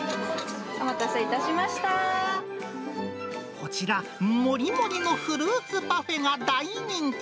こちら、もりもりのフルーツパフェが大人気。